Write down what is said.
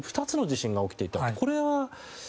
２つの地震が起きていた。